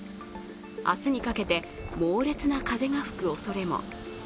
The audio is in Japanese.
明日にかけて、猛烈な風が吹くおそれも。